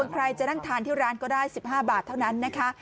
ใครจะนั่งทานที่ร้านก็ได้๑๕บาทเท่านั้นนะคะ